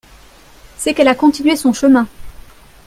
C'est qu'elle a continué son chemin.